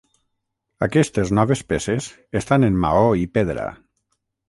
Aquestes noves peces estan en maó i pedra.